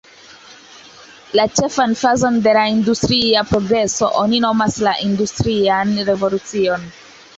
La ĉefan fazon de la industria progreso oni nomas la industrian revolucion.